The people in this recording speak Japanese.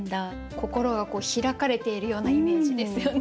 心が開かれているようなイメージですよね。